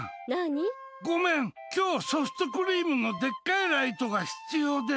ごめん、今日ソフトクリームのでっかいライトが必要で。